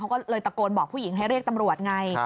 เขาก็เลยตะโกนบอกผู้หญิงให้เรียกตำรวจไง